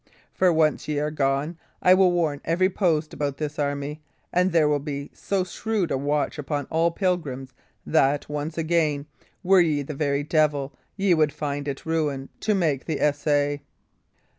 For, once ye are gone, I will warn every post about this army, and there will be so shrewd a watch upon all pilgrims that, once again, were ye the very devil, ye would find it ruin to make the essay."